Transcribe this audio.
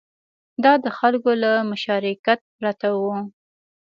دا د خلکو له مشارکت پرته و